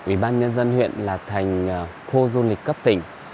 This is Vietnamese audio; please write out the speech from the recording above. ủy ban nhân dân huyện là thành khu du lịch cấp tỉnh